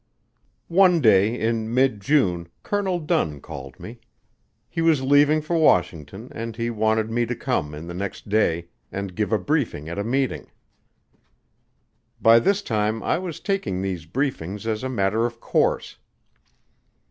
One day in mid June, Colonel Dunn called me. He was leaving for Washington and he wanted me to come in the next day to give a briefing at a meeting. By this time I was taking these briefings as a matter of course.